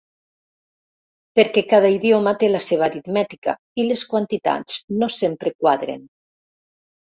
Perquè cada idioma té la seva aritmètica i les quantitats no sempre quadren.